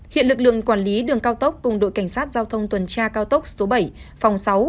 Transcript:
hiện lực lượng quản lý đường cao tốc cùng đội cảnh sát giao thông tuần tra cao tốc số bảy phòng sáu